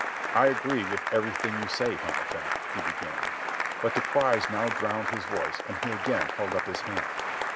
"I agree with everything you say, Hamilton," he began. But the cries now drowned his voice, and he again held up his hand.